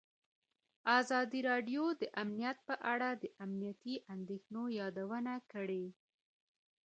ازادي راډیو د امنیت په اړه د امنیتي اندېښنو یادونه کړې.